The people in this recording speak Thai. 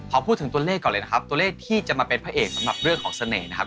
พอพูดถึงตัวเลขก่อนเลยนะครับตัวเลขที่จะมาเป็นพระเอกสำหรับเรื่องของเสน่ห์นะครับ